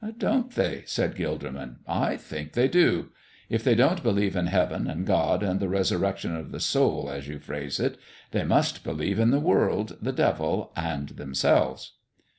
"Don't they?" said Gilderman. "I think they do. If they don't believe in heaven and God and the resurrection of the soul, as you phrase it, they must believe in the world, the devil, and themselves."